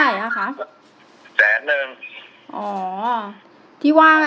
เท่าไหร่อ่ะค่ะ